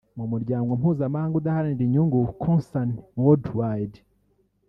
mu muryango mpuzamahanga udaharanira inyungu Concern Worldwide